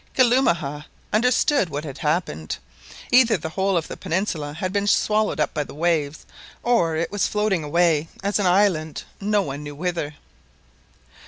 Kalumah understood what had happened. Either the whole of the peninsula had been swallowed up by the waves, or it was floating away as an island, no one knew whither!